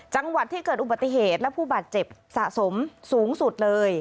จังหวัดที่เกิดอุบัติเหตุและผู้บาดเจ็บสะสมสูงสุดเลย